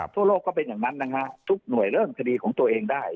ทั่วโลกก็เป็นอย่างนั้นนะฮะทุกหน่วยเริ่มคดีของตัวเองได้